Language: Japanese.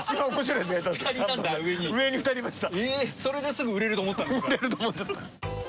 それですぐ売れると思ったんですか？！